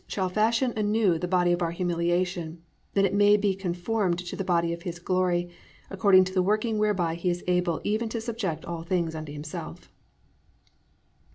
shall fashion anew the body of our humiliation, that it may be conformed to the body of his glory, according to the working whereby he is able even to subject all things unto himself."